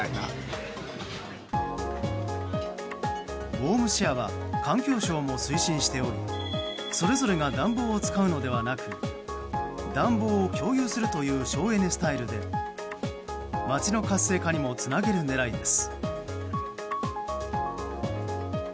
ウォームシェアは環境省も推進しておりそれぞれが暖房を使うのではなく暖房を共有するという省エネスタイルで街の活性化にもつなげる狙いです。